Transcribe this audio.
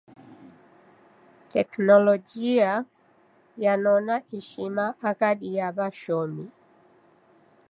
Teknologia yanona ishima aghadi ya washomi.